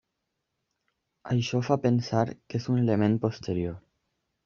Això fa pensar que és un element posterior.